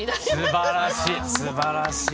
すばらしい！